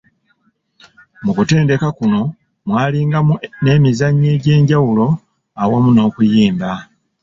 Mu kutendeka kuno mwalingamu n'emizannyo egy'enjawulo awamu n'okuyimba